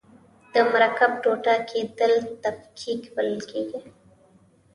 د مرکب ټوټه کیدل تفکیک بلل کیږي.